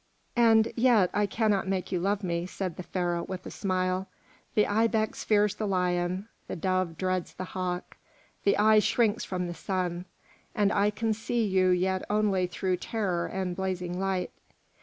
"And yet I cannot make you love me," said the Pharaoh, with a smile. "The ibex fears the lion, the dove dreads the hawk, the eye shrinks from the sun, and I can see you yet only through terror and blazing light.